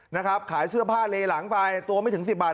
นะครับขายเสื้อผ้าเลหลังไปตัวไม่ถึงสิบบาท